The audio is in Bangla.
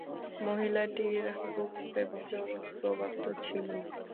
মহিলাটির রূপ এবং যৌবনের প্রভাব তো ছিলই।